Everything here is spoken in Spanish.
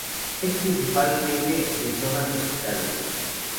Es principalmente de zonas tropicales.